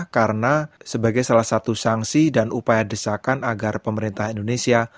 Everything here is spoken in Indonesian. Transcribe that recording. karena sebagai salah satu sanksi dan upaya desakan agar pemerintah indonesia